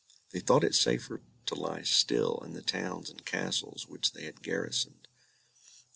They thought it safer to lie still in the towns and castles which they had garrisoned.